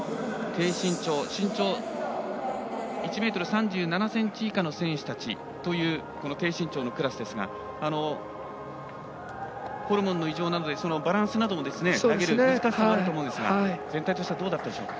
身長１ｍ３７ｃｍ以下の選手たちというこの低身長のクラスですがホルモンの異常などでバランスなど投げる難しさもあると思うんですが全体としてはどうだったでしょうか？